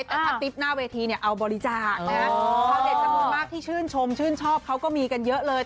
แต่ถ้าติ๊บหน้าเวทีเนี่ยเอาบริจาคนะฮะชาวเด็ดจำนวนมากที่ชื่นชมชื่นชอบเขาก็มีกันเยอะเลย